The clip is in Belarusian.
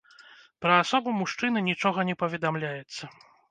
Пра асобу мужчыны нічога не паведамляецца.